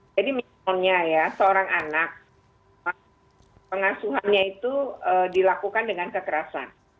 jadi misalnya ya seorang anak pengasuhannya itu dilakukan dengan kekerasan